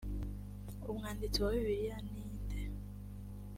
umwanditsi wa bibiliya ni nde?